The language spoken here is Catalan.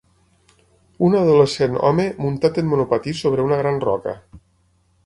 Un adolescent home muntat en monopatí sobre una gran roca.